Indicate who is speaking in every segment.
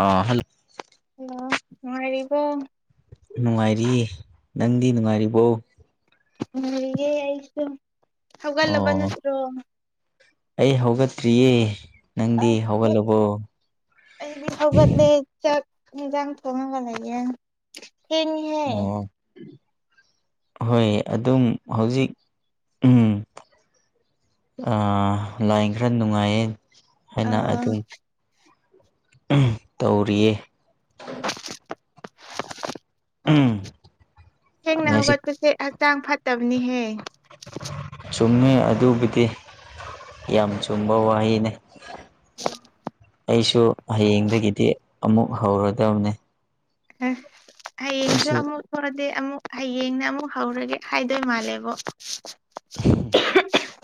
Speaker 1: ꯑꯥ hello
Speaker 2: hello ꯅꯨꯡꯉꯥꯏꯔꯩꯕꯨ
Speaker 1: ꯅꯨꯡꯉꯥꯏꯔꯤꯌꯦ ꯅꯪꯗꯤ ꯅꯨꯡꯉꯥꯏꯔꯤꯕꯣ
Speaker 2: ꯅꯨꯉꯥꯏꯔꯤꯌꯦ ꯑꯩꯁꯨ ꯍꯧꯒꯠꯂꯕ
Speaker 1: ꯑꯣ
Speaker 2: ꯅꯠꯇ꯭ꯔꯣ
Speaker 1: ꯑꯩ ꯍꯧꯒꯠꯇ꯭ꯔꯤꯌꯦ ꯅꯪꯗꯤ
Speaker 2: ꯑꯁ ꯍꯦꯛ
Speaker 1: ꯍꯧꯒꯠꯂꯕꯣ
Speaker 2: ꯑꯩꯗꯤ ꯍꯧꯒꯠꯂꯦ ꯆꯥꯛ ꯌꯦꯟꯖꯥꯡ ꯊꯣꯡꯉꯒ ꯂꯩꯌꯦ ꯊꯦꯡꯉꯤꯍꯦ
Speaker 1: ꯑꯣ ꯍꯣꯏ ꯑꯗꯨꯝ ꯍꯧꯖꯤꯛ ꯎꯝ ꯑ ꯂꯥꯏꯟ ꯈꯔ ꯅꯨꯡꯉꯥꯏꯌꯦ ꯍꯥꯏꯅ
Speaker 2: ꯑ
Speaker 1: ꯑꯗꯨꯝ ꯇꯧꯔꯤꯌꯦ ꯎꯝ
Speaker 2: ꯊꯦꯡꯅ
Speaker 1: ꯉꯁꯤ
Speaker 2: ꯍꯧꯒꯠꯄꯁꯦ ꯍꯛꯆꯥꯡ ꯐꯠꯇꯕꯅꯤꯍꯦ
Speaker 1: ꯆꯨꯝꯃꯦ ꯑꯗꯨꯕꯨꯗꯤ ꯌꯥꯝ ꯆꯨꯝꯕ ꯋꯥꯍꯩꯅꯦ ꯑꯩꯁꯨ ꯍꯌꯦꯡꯗꯒꯤꯗꯤ ꯑꯃꯨꯛ ꯍꯧꯔꯗꯕꯅꯦ
Speaker 2: ꯍ ꯍꯌꯦꯡꯁꯨ
Speaker 1: ꯑꯩꯁꯨ
Speaker 2: ꯑꯃꯨꯛ ꯋꯥꯗꯤ ꯑꯃꯨꯛ ꯍꯌꯦꯡꯅ ꯑꯃꯨꯛ ꯍꯧꯔꯒꯦ ꯍꯥꯏꯗꯣꯏ ꯃꯥꯜꯂꯦꯕꯣ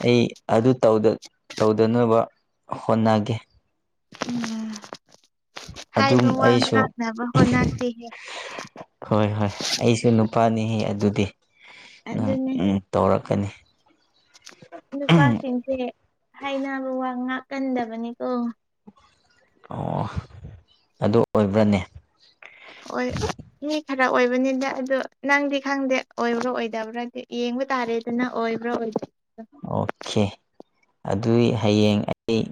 Speaker 1: ꯑꯩ ꯑꯗꯨ ꯇꯧꯗ ꯇꯧꯗꯅꯕ ꯍꯣꯠꯅꯒꯦ
Speaker 2: ꯎꯝ
Speaker 1: ꯑꯗꯨꯝ
Speaker 2: ꯍꯥꯏꯕ ꯋꯥ
Speaker 1: ꯑꯩꯁꯨ
Speaker 2: ꯉꯥꯛꯅꯕ ꯍꯣꯠꯅꯁꯤꯍꯦ
Speaker 1: ꯍꯣꯏ ꯍꯣꯏ ꯑꯩꯁꯨ ꯅꯨꯄꯥꯅꯦꯍꯦ ꯑꯗꯨꯗꯤ ꯅ
Speaker 2: ꯑꯗꯨꯅꯦ
Speaker 1: ꯎꯝ ꯇꯧꯔꯛꯀꯅꯤ
Speaker 2: ꯅꯨꯄꯥꯁꯤꯡꯁꯦ ꯍꯥꯏꯅꯕ ꯋꯥ ꯉꯥꯛꯀꯟꯗꯕꯅꯤꯀꯣ
Speaker 1: ꯑꯣ ꯑꯗꯨ ꯑꯣꯏꯕ꯭ꯔꯅꯦ
Speaker 2: ꯑꯣꯏ ꯃꯤ ꯈꯔ ꯑꯣꯏꯕꯅꯤꯗ ꯑꯗꯨ ꯅꯪꯗꯤ ꯈꯪꯗꯦ ꯑꯣꯏꯕ꯭ꯔ ꯑꯣꯏꯗꯕ꯭ꯔꯗꯤ ꯌꯦꯡꯕ ꯇꯥꯔꯦ ꯑꯣꯏꯕ꯭ꯔ ꯑꯣꯏꯗ꯭ꯔꯥ
Speaker 1: ꯑꯣꯈꯦ ꯑꯗꯨꯏ ꯍꯌꯦꯡ ꯑꯩ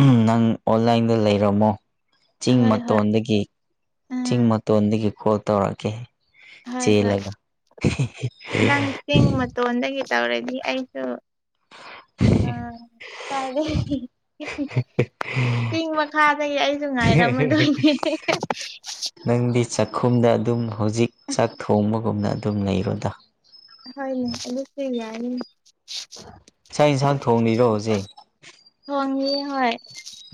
Speaker 1: ꯎꯝ ꯅꯪ ꯑꯣꯟꯂꯥꯏꯟꯗ ꯂꯩꯔꯝꯃꯣ ꯆꯤꯡ
Speaker 2: ꯍꯣꯏ ꯍꯣꯏ
Speaker 1: ꯃꯇꯣꯟꯗꯒꯤ ꯆꯤꯡ
Speaker 2: ꯎꯝ
Speaker 1: ꯃꯇꯣꯟꯗꯒꯤ ꯀꯣꯜ ꯇꯧꯔꯛꯀꯦ
Speaker 2: ꯍꯣꯏ ꯍꯣꯏ
Speaker 1: ꯆꯦꯜꯂꯒ
Speaker 2: ꯇꯣꯟꯗꯒꯤ ꯇꯧꯔꯛꯅꯤ ꯑꯩꯁꯨ ꯑꯥ ꯀꯥꯏꯗꯦ ꯆꯤꯡ ꯃꯈꯥꯗꯒꯤ ꯑꯩꯁꯨ ꯉꯥꯏꯔꯝꯃꯗꯣꯏꯅꯦ
Speaker 1: ꯅꯪꯗꯤ ꯆꯥꯛꯈꯨꯝꯗ ꯑꯗꯨꯝ ꯍꯧꯖꯤꯛ ꯆꯥꯛ ꯊꯣꯡꯕꯒꯨꯝꯅ ꯑꯗꯨꯝ ꯂꯩꯔꯣꯗ
Speaker 2: ꯍꯣꯏꯅꯦ ꯑꯗꯨꯁꯨ ꯌꯥꯏꯅꯦ
Speaker 1: ꯆꯥꯛ ꯏꯟꯖꯥꯡ ꯊꯣꯡꯉꯤꯔꯣ ꯍꯧꯖꯤꯛ
Speaker 2: ꯊꯣꯡꯉꯤꯑꯦ ꯍꯣꯏ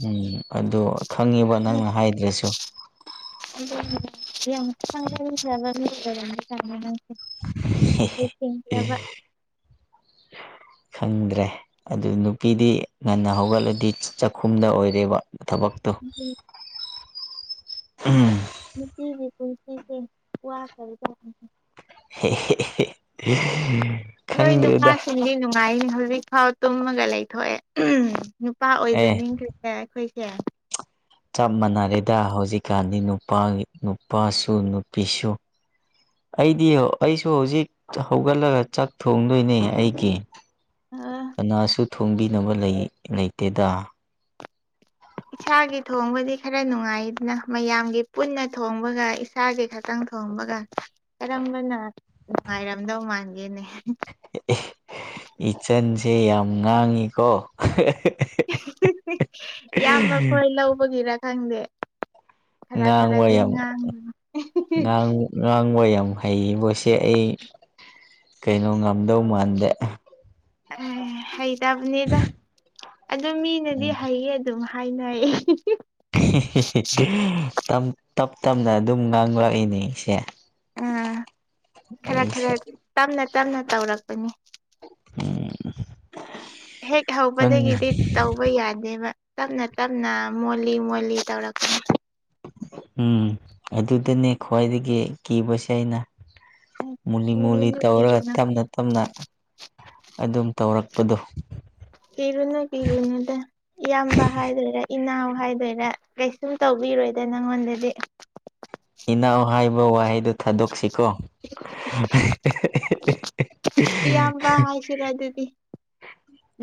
Speaker 1: ꯎꯝ ꯑꯗꯣ ꯈꯪꯉꯤꯕ ꯅꯪꯅ ꯍꯥꯏꯗ꯭ꯔꯥꯁꯨ
Speaker 2: [unintelligible] ꯍꯩꯁꯤꯡꯈ꯭ꯔꯕ
Speaker 1: [unintelligible] ꯈꯪꯗ꯭ꯔꯦ ꯑꯗꯨ ꯅꯨꯄꯤꯗꯤ ꯉꯟꯅ ꯍꯧꯒꯠꯂꯗꯤ ꯆꯛꯈꯨꯝꯗ ꯑꯣꯏꯔꯦꯕ ꯊꯕꯛ ꯇꯨ ꯎꯝ
Speaker 2: ꯅꯨꯄꯤꯒꯤ ꯄꯨꯟꯁꯤꯁꯦ ꯋꯥꯈ꯭ꯔꯕꯖꯥꯠꯅꯤ
Speaker 1: [unintelligible]
Speaker 2: ꯅꯣꯏ ꯅꯨꯄꯥꯁꯤꯡꯗꯤ ꯅꯨꯡꯉꯥꯏ ꯍꯧꯖꯤꯛꯐꯥꯎ ꯇꯨꯝꯃꯒ ꯂꯩꯊꯣꯛꯑꯦ ꯅꯨꯄꯥ
Speaker 1: ꯑꯦ
Speaker 2: ꯑꯣꯏꯖꯅꯤꯡꯈ꯭ꯔꯦꯗ ꯑꯩꯈꯣꯏꯁꯦ
Speaker 1: ꯆꯞ ꯃꯥꯟꯅꯔꯦꯗ ꯍꯧꯖꯤꯛꯀꯥꯟꯗꯤ ꯅꯨꯄꯥ ꯅꯨꯄꯥꯁꯨ ꯅꯨꯄꯤꯁꯨ ꯑꯩꯗꯤ ꯑꯩꯁꯨ ꯍꯧꯖꯤꯛ ꯍꯧꯒꯠꯂꯒ ꯆꯥꯛ ꯊꯣꯡꯗꯣꯏꯅꯦ ꯑꯩꯒꯤ
Speaker 2: ꯑꯥ
Speaker 1: ꯅꯥꯁꯨ ꯊꯣꯡꯕꯤꯅꯕ ꯂꯩ ꯂꯩꯇꯦꯗꯥ
Speaker 2: ꯏꯁꯥꯒꯤ ꯊꯣꯡꯕꯗꯤ ꯈꯔ ꯅꯨꯡꯉꯥꯏꯗꯅ ꯃꯌꯥꯝꯒꯤ ꯄꯨꯟꯅ ꯊꯣꯡꯕꯒ ꯑꯩ ꯏꯁꯥꯒꯤ ꯈꯛꯇꯪ ꯊꯣꯡꯕꯒꯥ ꯀꯔꯝꯕꯅ ꯅꯨꯡꯉꯥꯏꯔꯝꯗꯧ ꯃꯥꯟꯒꯦꯅꯦ
Speaker 1: ꯏꯆꯟꯁꯦ ꯌꯥꯝ ꯉꯥꯡꯉꯤꯀꯣ
Speaker 2: ꯏꯌꯥꯝꯕꯈꯣꯏ ꯂꯧꯕꯒꯤꯔꯥ ꯈꯪꯗꯦ ꯈꯔ
Speaker 1: ꯉꯥꯡꯕ
Speaker 2: ꯈꯔꯗꯤ
Speaker 1: ꯌꯥꯝ
Speaker 2: ꯉꯥꯡꯏ
Speaker 1: ꯉꯥꯡ ꯉꯥꯡꯕ ꯌꯥꯝ ꯍꯩꯕꯁꯦ ꯑꯩ ꯀꯩꯅꯣ ꯉꯝꯗꯧ ꯃꯥꯟꯗꯦ
Speaker 2: ꯑꯦ ꯍꯩꯇꯕꯅꯤꯗ ꯑꯗꯨ ꯃꯤꯅꯗꯤ ꯍꯩꯌꯦ ꯑꯗꯨꯝ ꯍꯥꯏꯅꯩ
Speaker 1: ꯇꯞ ꯇꯞꯅ ꯑꯗꯨꯝ ꯉꯥꯡꯂꯛꯏꯅꯦ ꯏꯁꯦ
Speaker 2: ꯎꯝ ꯈꯔ ꯈꯔ ꯇꯝꯅ ꯇꯝꯅ ꯇꯧꯔꯛꯄꯅꯤ ꯍꯦꯛ
Speaker 1: ꯈꯪ
Speaker 2: ꯍꯥꯎꯕꯗꯒꯤꯗꯤ ꯇꯥꯎ ꯇꯧꯕ ꯌꯥꯗꯦꯕ ꯇꯞꯅ ꯇꯞꯅ ꯃꯣꯜꯂꯤ ꯃꯣꯜꯂꯤ ꯇꯧꯔꯛꯄ
Speaker 1: ꯎꯝ ꯑꯗꯨꯗꯅꯦ ꯈ꯭ꯋꯥꯏꯗꯒꯤ ꯀꯤꯕꯁꯦ ꯑꯩꯅ ꯃꯨꯂꯤ ꯃꯨꯂꯤ
Speaker 2: ꯀꯤꯔꯨꯅꯨ
Speaker 1: ꯇꯧꯔꯒ
Speaker 2: ꯀꯤꯔꯨꯅꯨ
Speaker 1: ꯇꯞꯅ ꯇꯞꯅ ꯑꯗꯨꯝ ꯇꯧꯔꯛꯄꯗꯣ
Speaker 2: ꯀꯤꯔꯨꯅꯨ ꯀꯤꯔꯨꯅꯨꯗꯥ ꯏꯌꯥꯝꯕ ꯍꯥꯏꯗꯣꯏꯔꯥ ꯏꯅꯥꯎ ꯍꯥꯏꯗꯣꯏꯔꯥ ꯀꯩꯁꯨꯝ ꯇꯧꯕꯤꯔꯣꯏꯗ ꯅꯪꯉꯣꯟꯗꯗꯤ
Speaker 1: ꯏꯅꯥꯎ ꯍꯥꯏꯕ ꯋꯥꯍꯩꯗꯨ ꯊꯥꯗꯣꯛꯁꯤꯀꯣ
Speaker 2: ꯏꯌꯥꯝꯕ ꯍꯥꯏꯁꯤꯔ ꯑꯗꯨꯗꯤ
Speaker 1: [unintelligible]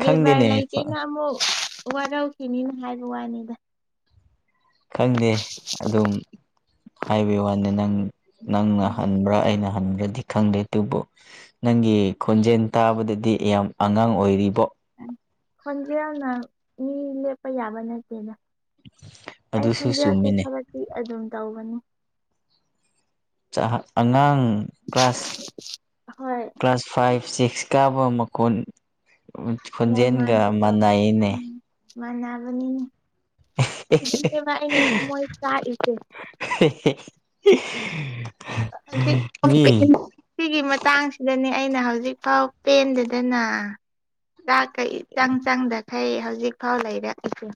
Speaker 2: ꯕꯦꯕꯥꯔ ꯂꯩꯇꯦꯅ ꯑꯃꯨꯛ ꯋꯥꯔꯧꯈꯤꯅꯤꯅ ꯍꯥꯏꯕ ꯋꯥꯅꯤꯗ
Speaker 1: ꯈꯪꯗꯦ ꯑꯗꯨꯝ ꯍꯥꯏꯕꯒꯤ ꯋꯥꯅꯤꯗꯥ ꯅꯪ ꯅꯪꯅ
Speaker 2: ꯎꯝ
Speaker 1: ꯍꯟꯕ꯭ꯔꯥ ꯑꯩꯅ ꯍꯟꯕ꯭ꯔꯥꯗꯤ ꯈꯪꯗꯦ ꯑꯗꯨꯕꯨ ꯅꯪꯒꯤ ꯈꯣꯟꯖꯦꯜ ꯇꯥꯕꯗꯗꯤ ꯌꯥꯝ ꯑꯉꯥꯡ ꯑꯣꯏꯔꯤꯕꯣ
Speaker 2: ꯈꯣꯟꯖꯦꯜꯅ ꯃꯤ ꯂꯦꯞꯄ ꯌꯥꯕ ꯅꯠꯇꯦꯗ ꯑꯩ
Speaker 1: ꯑꯗꯨꯁꯨ
Speaker 2: ꯈꯣꯟꯖꯦꯜꯁꯦ
Speaker 1: ꯆꯨꯝꯃꯤꯅꯦ
Speaker 2: ꯊꯕꯛꯇꯤ ꯑꯗꯨꯝ ꯇꯧꯕꯅꯤ
Speaker 1: ꯆꯥꯍꯥ ꯑꯉꯥꯡ ꯀ꯭ꯂꯥꯁ
Speaker 2: ꯍꯣꯏ
Speaker 1: ꯀ꯭ꯂꯥꯁ ꯐꯥꯏꯚ ꯁꯤꯛꯁ ꯀꯥꯕ ꯃꯈꯣꯟ ꯈꯣꯟꯖꯦꯜꯒ ꯃꯥꯟꯅꯩꯅꯦ
Speaker 2: ꯃꯟꯅꯕꯅꯤꯅꯦ ꯑꯗꯨꯅꯦꯕ ꯑꯩꯅ ꯊꯝꯃꯣꯏ ꯆꯥꯛꯏꯁꯦ
Speaker 1: [unintelligible] [unintelligible]
Speaker 2: ꯍꯧꯖꯤꯛ
Speaker 1: ꯃꯤ
Speaker 2: [unintelligible] ꯁꯤꯒꯤ ꯃꯇꯥꯡꯁꯤꯗꯅꯦ ꯑꯩꯅ ꯍꯧꯖꯤꯛ ꯐꯥꯎ ꯄꯦꯟꯗꯦꯗꯥꯅ ꯆꯥꯛ ꯀ ꯏꯆꯪ ꯆꯪꯗꯈꯩ ꯍꯧꯖꯤꯛ ꯐꯥꯎ ꯂꯩꯔꯛꯏꯁꯤ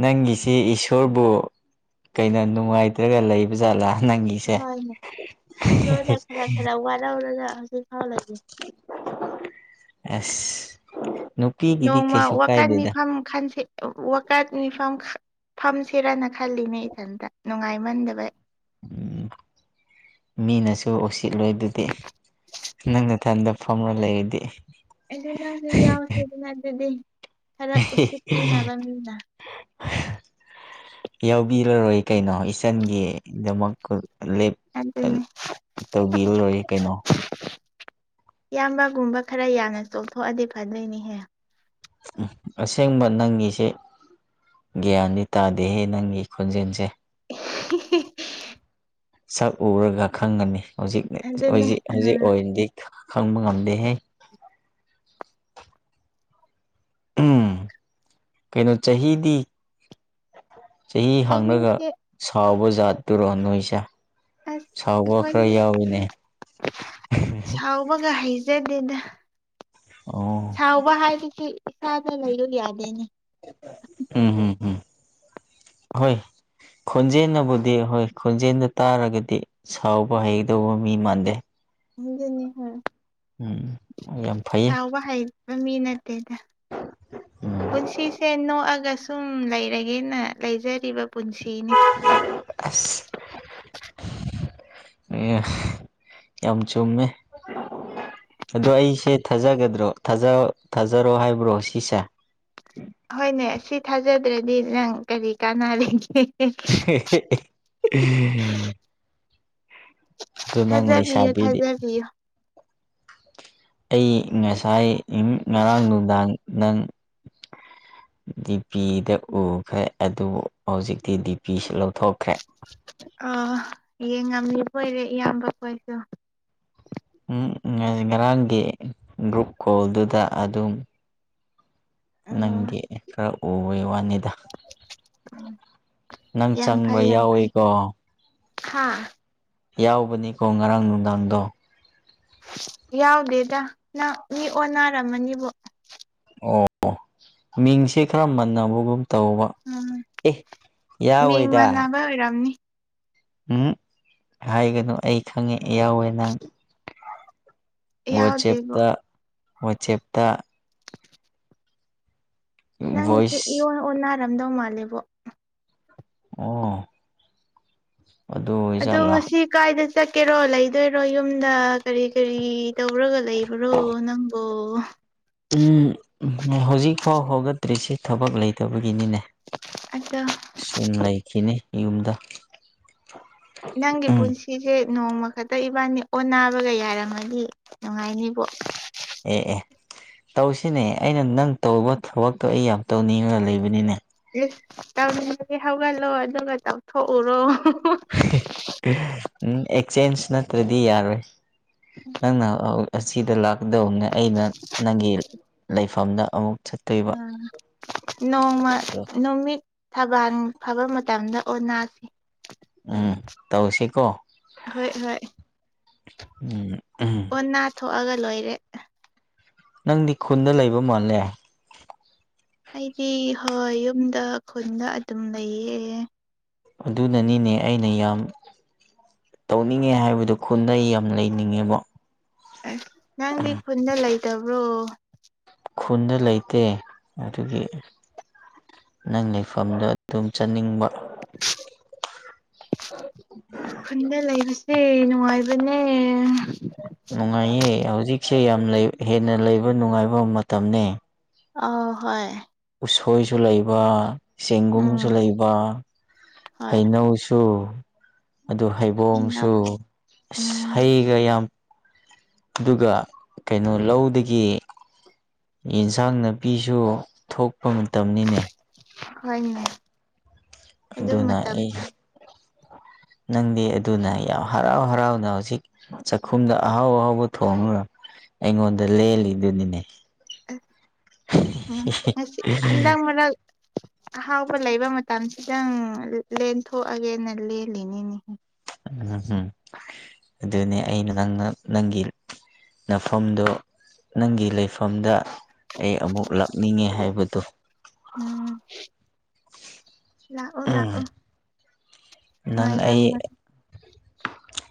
Speaker 1: ꯅꯪꯒꯤꯁꯤ ꯏꯁꯣꯔꯕꯨ ꯀꯩꯅꯣ ꯅꯨꯡꯉꯥꯏꯇ꯭ꯔꯒ ꯂꯩꯕ ꯖꯥꯂ ꯅꯪ
Speaker 2: ꯍꯣꯏ ꯍꯣꯏ ꯆꯖ ꯈꯔ ꯈꯔ ꯋꯥꯔ ꯋꯥꯔꯗ ꯍꯧꯖꯤ ꯐꯥꯎ ꯂ
Speaker 1: [unintelligible]
Speaker 2: ꯅꯣꯡꯃ
Speaker 1: ꯀꯩꯁꯨ
Speaker 2: ꯋꯥꯀꯥꯟ
Speaker 1: ꯀꯥꯏꯗꯦꯗ
Speaker 2: ꯃꯤꯐꯝ ꯈꯥꯟꯁꯦ ꯋꯥꯀꯠ ꯃꯤꯐꯝ ꯐꯝꯁꯤꯦꯔꯅ ꯈꯜꯂꯤꯅꯦ ꯏꯊꯟꯇ ꯅꯨꯡꯉꯥꯏꯃꯟꯗꯕ
Speaker 1: ꯎꯝ ꯃꯤꯅꯁꯨ ꯎꯁꯤꯠꯂꯣꯏ ꯑꯗꯨꯗꯤ ꯅꯪꯅ ꯇꯟꯗꯐꯝ ꯑꯃ ꯂꯩꯔꯗꯤ
Speaker 2: ꯑꯩꯗꯣ ꯅꯪꯁꯨ ꯌꯥꯎꯁꯦꯗꯅ ꯑꯗꯨꯗꯤ ꯈꯔ ꯎꯁꯤꯠꯄꯤꯤꯅꯕ ꯃꯤꯅ
Speaker 1: [unintelligible] ꯌꯥꯎꯕꯤꯔꯔꯣꯏ ꯀꯩꯅꯣ ꯏꯆꯟꯒꯤꯗꯃꯛ
Speaker 2: ꯑꯅꯦ
Speaker 1: ꯇꯧꯕꯤꯔꯔꯣꯏ ꯀꯩꯅꯣ
Speaker 2: ꯏꯌꯥꯝꯕꯒꯨꯝꯕ ꯈꯔ ꯌꯥꯝꯅ ꯆꯣꯛꯊꯣꯛꯑꯗꯤ ꯐꯗꯣꯏꯅꯤꯍꯦ
Speaker 1: ꯑꯁꯦꯡꯕ ꯅꯪꯒꯤꯁ ꯒ꯭ꯌꯥꯟꯗꯤ ꯇꯥꯗꯦꯍꯦ ꯅꯪꯒꯤ ꯈꯣꯟꯖꯦꯜꯁꯦ
Speaker 2: [unintelligible]
Speaker 1: ꯁꯛ ꯎꯔꯒ ꯈꯪꯒꯅꯤ
Speaker 2: ꯑꯗꯨꯅꯦ
Speaker 1: ꯍꯧꯖꯤꯛꯖꯤ ꯍꯧꯖꯤꯛ
Speaker 2: ꯑ
Speaker 1: ꯑꯣꯏꯅꯗꯤ ꯈꯪꯕ ꯉꯝꯗꯦꯍꯦ ꯎꯝ ꯀꯩꯅꯣ ꯆꯍꯤꯗꯤ ꯆꯍꯤ ꯍꯥꯡꯉꯒ
Speaker 2: ꯆꯍꯤꯁꯦ
Speaker 1: ꯁꯥꯎꯕ ꯖꯥꯠꯇꯔꯣ ꯅꯣꯏꯁꯦ
Speaker 2: ꯑꯁ
Speaker 1: ꯁꯥꯎꯕ ꯈꯔ
Speaker 2: ꯑꯩꯈꯣꯏꯗꯤ
Speaker 1: ꯌꯥꯎꯋꯤꯅꯦ
Speaker 2: ꯁꯥꯎꯕꯒ ꯍꯩꯖꯗꯦꯅ
Speaker 1: ꯑꯣ
Speaker 2: ꯁꯥꯎꯕ ꯍꯥꯏꯁꯨ ꯏꯁꯥꯗ ꯂꯩꯌ ꯌꯥꯗꯦꯅꯦ
Speaker 1: ꯎꯝꯝ ꯎꯝ ꯍꯣꯏ ꯈꯣꯟꯖꯦꯜꯅꯕꯨꯗꯤ ꯍꯣꯏ ꯈꯣꯟꯖꯦꯜꯗ ꯇꯥꯔꯒꯗꯤ ꯁꯥꯎꯕ ꯍꯩꯗꯧꯕ ꯃꯤ ꯃꯥꯟꯗꯦ
Speaker 2: ꯃꯖꯅꯤ ꯍꯥꯏ
Speaker 1: ꯎꯝ ꯌꯥꯝ ꯐꯩ
Speaker 2: ꯍꯩꯕ ꯃꯤ ꯅꯠꯇꯦꯗ
Speaker 1: ꯎꯝ
Speaker 2: ꯄꯨꯟꯁꯤꯁꯦ ꯅꯣꯛꯑꯒ ꯁꯨꯝ ꯂꯩꯔꯒꯦꯅ ꯂꯩꯖꯔꯤꯕ ꯄꯨꯟꯁꯤꯅꯤ
Speaker 1: ꯑꯁ ꯑ ꯌꯥꯝ ꯆꯣꯡꯃꯦ ꯑꯗꯣ ꯑꯩꯁꯦ ꯊꯥꯖꯒꯗ꯭ꯔꯣꯥꯖ ꯊꯥꯖꯔꯣ ꯍꯥꯏꯕ꯭ꯔꯣ ꯁꯤꯁꯦ
Speaker 2: ꯍꯣꯏꯅꯦ ꯁꯤ ꯊꯥꯖꯗ꯭ꯔꯗꯤ ꯅꯪ ꯀꯔꯤ ꯀꯥꯟꯅꯔꯤꯒꯦ
Speaker 1: ꯎꯝ ꯑꯗꯨ ꯅꯪ
Speaker 2: ꯊꯥꯖꯕꯤꯌꯨ
Speaker 1: ꯂꯩꯁꯥꯕꯤꯗꯦ
Speaker 2: ꯊꯥꯖꯕꯤꯌꯨ
Speaker 1: ꯑꯩ ꯉꯁꯥꯏ ꯉꯔꯥꯡ ꯅꯨꯅꯨꯡꯗꯥꯡꯗꯪ ꯗꯤ ꯄꯤꯗ ꯎꯈ꯭ꯔꯦ ꯑꯗꯨꯕꯨ ꯍꯧꯖꯤꯛꯇꯤ ꯗꯤ ꯄꯤꯁꯤ ꯂꯧꯊꯣꯛꯈ꯭ꯔꯦ
Speaker 2: ꯑ ꯌꯦꯡ ꯉꯅꯤ ꯀꯣꯏꯔꯦ ꯏꯌꯥꯝꯕ ꯀꯣꯏꯁꯨ
Speaker 1: ꯉꯔꯥꯡꯒꯤ ꯒ꯭ꯔꯨꯞ ꯀꯣꯜꯗꯨꯗ ꯑꯗꯨꯝ
Speaker 2: ꯑꯣ
Speaker 1: ꯅꯪꯒꯤ ꯈꯔ ꯎꯕ ꯋꯥꯅꯤꯗ ꯅꯪ ꯆꯪꯕ꯭ꯔ ꯌꯥꯎꯋꯤꯀꯣ
Speaker 2: ꯍꯥꯥ
Speaker 1: ꯌꯥꯎꯕꯅꯤꯀꯣ ꯉꯔꯥꯡ ꯅꯨꯡꯗꯥꯡꯗꯣ
Speaker 2: ꯌꯥꯎꯗꯦꯗ ꯅ ꯃꯤ ꯑꯣꯟꯅꯔꯝꯃꯅꯤꯕꯣ
Speaker 1: ꯑꯣ ꯃꯤꯡꯁꯦ ꯈꯔ ꯃꯟꯅꯕꯒꯨꯝ ꯇꯧꯕ
Speaker 2: ꯎꯝ
Speaker 1: ꯑꯦ ꯌꯥꯎ
Speaker 2: ꯃꯤꯡ
Speaker 1: ꯑꯣꯏꯣꯏꯗ
Speaker 2: ꯃꯥꯟꯅꯕ ꯑꯣꯏꯔꯝꯅꯤ
Speaker 1: ꯎꯝ ꯍꯥꯏꯒꯅꯨ ꯑꯩ ꯈꯪꯉꯦ ꯌꯥꯎꯋꯦ ꯅꯪ ꯑꯣ
Speaker 2: ꯌꯥꯎꯗꯦꯕꯣ
Speaker 1: ꯆꯦꯞꯇ ꯑꯣ ꯆꯦꯞꯇ
Speaker 2: ꯅꯪꯒꯤꯁꯦ
Speaker 1: ꯚꯣꯏꯁ
Speaker 2: ꯏꯔꯣꯟ ꯑꯣꯅꯥꯔꯝꯗꯧ ꯃꯥꯜꯂꯦꯕꯣ
Speaker 1: ꯑꯣ [unintelligible]
Speaker 2: ꯑꯣ
Speaker 1: ꯑꯣꯏꯖꯥꯠꯂꯥ
Speaker 2: ꯉꯁꯤ ꯀꯥꯏꯗ ꯆꯠꯀꯦꯔꯣ ꯂꯩꯗꯣꯏꯔꯣ ꯌꯨꯝꯗ ꯀꯔꯤ ꯀꯔꯤ ꯇꯧꯔꯒ ꯂꯩꯕ꯭ꯔꯣ ꯅꯪꯕꯨ
Speaker 1: ꯎꯝ ꯍꯧꯖꯤꯛꯐꯥꯎ ꯍꯧꯒꯠꯇ꯭ꯔꯤꯁꯤ ꯊꯕꯛ ꯂꯩꯇꯕꯒꯤꯅꯤꯅꯦ
Speaker 2: ꯑꯗꯆꯥ
Speaker 1: ꯁꯨꯝ ꯂꯩꯈꯤꯅꯤ ꯌꯨꯝꯗ
Speaker 2: ꯅꯪꯒꯤ
Speaker 1: ꯎꯝ
Speaker 2: ꯄꯨꯟꯁꯤ ꯁꯤꯁꯦ ꯅꯣꯡꯃ ꯈꯛꯇ ꯏꯕꯥꯅꯤ ꯑꯣꯟꯟꯅꯅꯥꯕꯒ ꯌꯥꯔꯝꯃꯗꯤ ꯅꯨꯡꯉꯥꯏꯅꯤꯕꯣ
Speaker 1: ꯑꯦ ꯑꯦ ꯇꯧꯁꯤꯅꯦ ꯑꯩꯅ ꯅꯪ ꯇꯧꯕ ꯊꯕꯛꯇꯣ ꯑꯩ ꯌꯥꯝ ꯇꯧꯅꯤꯡꯉ ꯂꯩꯕꯅꯤꯅꯦ
Speaker 2: ꯇꯧꯅꯤꯡꯉꯒꯤ ꯍꯧꯒꯠꯂꯣ ꯑꯗꯨꯒ ꯇꯧꯊꯣꯛꯎꯔꯣ
Speaker 1: ꯑꯦꯛꯆꯦꯟꯁ ꯅꯠꯇ꯭ꯔꯗꯤ ꯌꯥꯔꯣꯏ ꯅꯪꯅ ꯑꯁꯤꯗ ꯂꯥꯛꯀꯗꯧꯅꯦ ꯑꯩꯅ ꯅꯪꯒꯤ ꯂꯩꯐꯝꯗ ꯑꯃꯨꯛ ꯆꯠꯇꯣꯏꯕ
Speaker 2: ꯑꯥ ꯅꯣꯡꯃ
Speaker 1: ꯑꯗꯣ
Speaker 2: ꯅꯨꯃꯤꯠ ꯊꯕꯥꯜ ꯐꯥꯕ ꯃꯇꯝꯗ ꯑꯣꯅꯥꯁꯤ
Speaker 1: ꯎꯝ ꯇꯧꯁꯤꯀꯣ
Speaker 2: ꯍꯣꯏ ꯍꯣꯏ
Speaker 1: ꯎꯝ
Speaker 2: ꯅꯥ ꯊꯣꯛꯑꯒ ꯂꯣꯏꯔꯦ
Speaker 1: ꯅꯪꯗꯤ ꯈꯨꯟꯗ ꯂꯩꯕ ꯃꯥꯜꯂꯦ
Speaker 2: ꯑꯩꯗꯤ ꯍꯣꯏ ꯌꯨꯝꯗ ꯈꯨꯟꯗ ꯑꯗꯨꯝ ꯂꯩꯌꯦ
Speaker 1: ꯑꯗꯨꯅꯅꯤꯅꯦ ꯑꯩꯅ ꯌꯥꯝ ꯇꯧꯅꯤꯡꯉꯦ ꯍꯥꯏꯕꯗꯨꯣ ꯈꯨꯟꯗ ꯑꯩ ꯌꯥꯝ ꯂꯩꯅꯤꯡꯉꯦꯕ
Speaker 2: ꯑꯦ ꯅꯪꯗꯤ ꯈꯨꯟꯗ ꯂꯩꯇꯕ꯭ꯔꯣ
Speaker 1: ꯈꯨꯟꯗ ꯂꯩꯇꯦ ꯑꯗꯨꯒꯤ ꯅꯪ ꯂꯩꯐꯝꯗꯣ ꯑꯗꯨꯝ ꯆꯠꯅꯤꯡꯕ
Speaker 2: ꯈꯨꯟꯗ ꯂꯩꯕꯁꯦ ꯅꯨꯡꯉꯥꯏꯕꯅꯦ
Speaker 1: ꯅꯨꯡꯉꯥꯏꯌꯦ ꯍꯧꯖꯤꯛꯁꯦ ꯌꯥꯝ ꯍꯦꯟꯅ ꯂꯩꯕ ꯅꯨꯡꯉꯥꯏꯕ ꯃꯇꯝꯅꯤ
Speaker 2: ꯑ ꯍꯣꯏ
Speaker 1: ꯎꯁꯣꯏꯁꯨ ꯂꯩꯕ
Speaker 2: ꯎꯝ
Speaker 1: ꯆꯦꯡꯒꯨꯝꯁꯨ ꯂꯩꯕ
Speaker 2: ꯍꯣꯏ
Speaker 1: ꯍꯩꯅꯧꯁꯨ ꯁꯨ ꯑꯗꯨ
Speaker 2: ꯑꯩꯅ
Speaker 1: ꯍꯩꯕꯣꯡꯁꯨ ꯑꯁ
Speaker 2: ꯎꯝ
Speaker 1: ꯍꯩꯒ ꯌꯥꯝ ꯑꯗꯨꯒ ꯀꯩꯅꯣ ꯂꯧꯗꯒꯤ ꯌꯦꯟꯁꯥꯡ ꯅꯥꯄꯤꯁꯨ ꯊꯣꯛꯄ ꯃꯇꯝꯅꯤꯅꯦ
Speaker 2: ꯍꯅꯦ
Speaker 1: ꯑꯗꯨꯅ ꯑꯩ ꯅꯪꯗꯦ ꯑꯗꯨꯅ ꯌꯥꯝ ꯍꯔꯥꯎ ꯍꯔꯥꯎꯅ ꯍꯧꯖꯤꯛ ꯆꯥꯛꯈꯨꯝꯗ ꯑꯍꯥꯎ ꯑꯍꯥꯎꯕ ꯊꯣꯡꯉꯨꯔ ꯑꯩꯉꯣꯟꯗ ꯂꯦꯜꯂꯤꯗꯨꯅꯤꯅꯦ
Speaker 2: ꯎ ꯉꯁꯤ ꯍꯟꯗꯥꯡ ꯃꯅꯥ ꯑꯍꯥꯎꯕ ꯂꯩꯕ ꯃꯇꯝꯁꯤꯗꯪ ꯂꯦꯟꯊꯣꯛꯑꯒꯦꯅ ꯂꯦꯜꯂꯤꯅꯤꯅꯦꯍ
Speaker 1: ꯎꯝꯝ ꯑꯗꯨꯅꯦ ꯑꯩꯅ ꯅꯪꯅ ꯅꯪꯒꯤ ꯅꯐꯝꯗꯣ ꯅꯪꯒꯤ ꯂꯩꯐꯝꯗ ꯑꯩ ꯑꯃꯨꯛ ꯂꯥꯛꯅꯤꯡꯉꯦ ꯍꯥꯏꯕꯗꯣ
Speaker 2: ꯎꯝ ꯂꯥꯛꯑꯣ ꯂꯥꯛꯑꯣ
Speaker 1: ꯅꯪ ꯑꯩ
Speaker 2: ꯉꯥꯏꯔꯝꯃ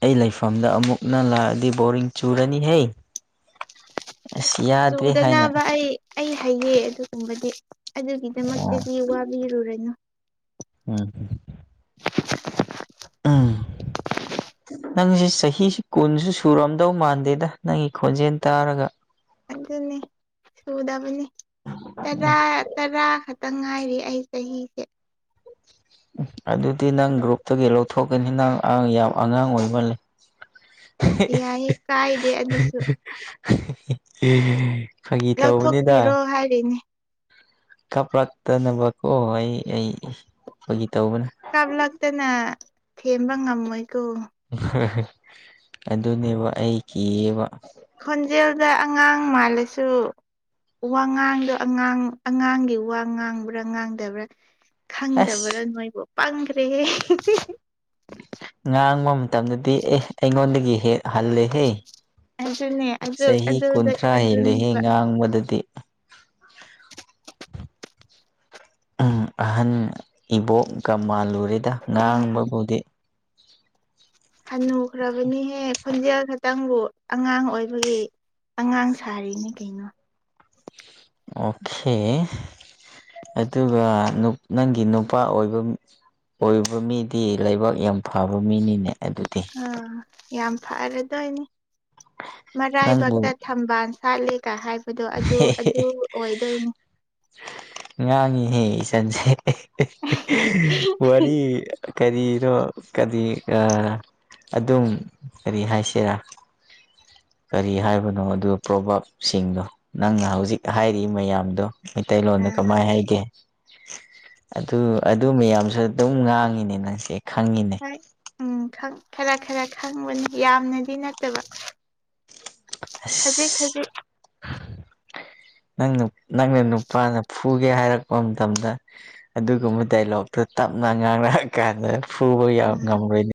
Speaker 1: ꯑꯩ ꯂꯩꯐꯝꯗ ꯑꯃꯨꯛꯅ ꯂꯥꯛꯑꯗꯤ ꯕꯣꯔꯤꯡ ꯆꯨꯔꯅꯤ ꯍꯦ ꯑꯁ ꯌꯥꯗꯦ ꯍꯥꯏꯅ
Speaker 2: ꯆꯨꯗꯅꯕ ꯑꯩ ꯑꯩ ꯍꯥꯏꯌꯦ ꯑꯗꯨꯒꯨꯝꯕꯗꯤ
Speaker 1: ꯑꯣ
Speaker 2: ꯑꯗꯨꯒꯤꯗꯃꯛꯇꯗꯤ ꯋꯥꯕꯤꯔꯨꯔꯅꯨ
Speaker 1: ꯎ ꯎꯝ ꯅꯪꯁꯦ ꯆꯍꯤꯁꯤ ꯀꯨꯟꯁꯨ ꯁꯨꯔꯝꯗꯧ ꯃꯥꯟꯗꯦꯗ ꯅꯪꯒꯤ ꯈꯣꯟꯖꯦꯜ ꯇꯥꯔꯒ
Speaker 2: ꯑꯗꯨꯅꯤ ꯁꯨꯗꯕꯅꯤ ꯇꯔ
Speaker 1: ꯎꯝ
Speaker 2: ꯇꯔꯥ ꯈ ꯈꯤꯇꯪ ꯉꯥꯏꯔꯤ ꯑꯩ ꯆꯍꯤꯁꯦ
Speaker 1: ꯎ ꯑꯗꯨꯗꯤ ꯅꯪ ꯒ꯭ꯔꯨꯞꯇꯒꯤ ꯂꯧꯊꯣꯛꯀꯅꯤ ꯅꯪ ꯌꯥꯝ ꯑꯉꯥꯡ ꯑꯣꯏꯃ ꯂꯩ
Speaker 2: ꯌꯥꯏꯌꯦ ꯀꯥꯏꯗꯦ ꯑꯗꯨꯁꯨ
Speaker 1: ꯑꯦ ꯐ ꯒꯤ ꯇ ꯑꯣꯅꯤꯗ
Speaker 2: ꯍꯥꯔꯤꯅꯤ
Speaker 1: ꯀꯥꯞꯂꯛꯇꯅꯕꯀꯣ ꯑꯩ ꯑꯩ ꯀꯣꯏꯒꯤ ꯇꯧꯕꯅ
Speaker 2: ꯀꯥꯞꯂꯛꯇꯅ ꯊꯦꯝꯕ ꯉꯝꯃꯣꯏꯀꯣ
Speaker 1: ꯑꯗꯨꯅꯦꯕ ꯑꯩ ꯀꯤꯑꯕ
Speaker 2: ꯈꯣꯟꯖꯦꯜꯗ ꯑꯉꯥꯡ ꯃꯥꯜꯂꯁꯨ ꯋꯥ ꯉꯥꯡꯗꯣ ꯑꯉꯥꯡ ꯑꯉꯥꯡꯒꯤ ꯋꯥ ꯉꯥꯡꯕ꯭ꯔꯥ ꯉꯥꯡꯗꯕ꯭ꯔꯥ
Speaker 1: ꯑꯁ
Speaker 2: ꯈꯪꯗꯕ꯭ꯔꯣ ꯅꯣꯏꯕꯨ ꯄꯪꯈ꯭ꯔꯦ
Speaker 1: ꯉꯥꯡꯕ ꯃꯇꯝꯗꯗꯤ ꯑꯦ ꯑꯩꯉꯣꯟꯗꯒꯤ ꯍꯦꯛ ꯍꯜꯂꯦꯍꯦ
Speaker 2: ꯑꯗꯨꯅꯦ ꯑꯗꯨ
Speaker 1: ꯆꯍꯤ
Speaker 2: ꯑꯗꯨꯗ
Speaker 1: ꯀꯨꯟꯊ꯭ꯔꯥ ꯍꯦꯂꯦꯍꯦ
Speaker 2: ꯑꯗꯨꯅꯦꯕ
Speaker 1: ꯉꯥꯡꯕꯗꯗꯤ ꯑꯍꯟ ꯏꯕꯣꯛꯀ ꯃꯥꯜꯂꯨꯔꯦꯗ
Speaker 2: ꯎꯝ
Speaker 1: ꯉꯥꯡꯕꯕꯨꯗꯤ
Speaker 2: ꯍꯟꯅꯨꯈ꯭ꯔꯕꯅꯤꯍꯦ ꯈꯣꯟꯖꯦꯜ ꯈꯛꯇꯪꯕꯨ ꯑꯉꯥꯡ ꯑꯣꯏꯕꯒꯤ ꯑꯉꯥꯡ ꯁꯥꯔꯤꯅꯦ ꯀꯩꯅꯣ
Speaker 1: ꯑꯣꯈꯦ ꯑꯗꯨꯒ ꯅꯪꯒꯤ ꯅꯨꯄꯥ ꯑꯣꯏꯕ ꯑꯣꯏꯕ ꯃꯤꯗꯤ ꯂꯩꯕꯥꯛ ꯌꯥꯝ ꯐꯕ ꯃꯤꯅꯤꯅꯦ ꯑꯗꯨꯗꯤ
Speaker 2: ꯑꯥ ꯌꯥꯝ ꯐꯔꯗꯣꯏꯅꯦ
Speaker 1: ꯅꯪꯕꯨ
Speaker 2: ꯃꯔꯥꯏꯕꯛꯇ ꯊꯝꯕꯥꯜ ꯁꯥꯠꯂꯦꯒ ꯍꯥꯏꯕꯗꯣ ꯑꯗꯨ ꯑꯗꯨ ꯑꯣꯏꯗꯣꯏꯅꯦ
Speaker 1: ꯉꯥꯡꯉꯤꯍꯦ ꯏꯁꯟꯁꯦ ꯋꯥꯔꯤ ꯀꯔꯤꯅꯣ ꯀꯔꯤ ꯑꯗꯨꯝ ꯀꯔꯤ ꯍꯥꯏꯁꯤꯔꯥ ꯀꯔꯤ ꯍꯥꯏꯕꯅꯣ ꯑꯗꯨꯒ ꯄ꯭ꯔꯣꯚꯞꯁꯤꯡꯗꯣ ꯅꯪꯅ ꯍꯧꯖꯤꯛ ꯍꯥꯏꯔꯤ ꯃꯌꯥꯝꯗꯣ ꯃꯩꯇꯩꯂꯣꯟꯗ
Speaker 2: ꯑꯥ
Speaker 1: ꯀꯃꯥꯏ ꯍꯥꯏꯒꯦ ꯑꯗꯨ ꯑꯗꯨ ꯃꯌꯥꯝꯁꯨ ꯑꯗꯨꯝ ꯉꯥꯡꯉꯤꯅꯦ ꯅꯪꯁꯦ ꯈꯪꯉꯤꯅꯦ
Speaker 2: ꯎꯝ ꯈꯔ ꯈꯔ ꯈꯪꯕꯅꯤ ꯌꯥꯝꯅꯗꯤ ꯅꯠꯇꯕ ꯈꯖꯤꯛ ꯈꯖꯤꯛ
Speaker 1: ꯅꯪ ꯅꯪꯅ ꯅꯨꯄꯥꯅ ꯐꯨꯒꯦ ꯍꯥꯏꯔꯛꯄ ꯃꯇꯝꯗ ꯑꯗꯨꯒꯨꯝꯕ ꯗꯥꯏꯂꯣꯛꯇꯣ ꯇꯞꯅ ꯉꯥꯡꯔꯛꯑ ꯀꯥꯟꯗ ꯐꯨꯕ
Speaker 2: ꯑꯥ
Speaker 1: ꯉꯝꯔꯣꯏꯅꯤ